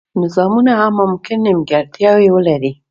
نظامونه هم ممکن نیمګړتیاوې ولري.